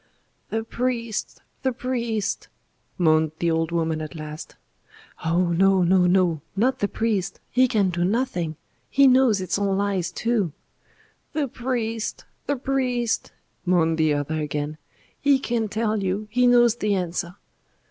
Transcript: "The priest, the priest!" moaned the old woman at last. "Oh! no, no, no not the priest; he can do nothing. He knows it's all lies, too!" "The priest! the priest!" moaned the other again. "He can tell you; he knows the answer."